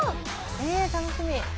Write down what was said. え楽しみ。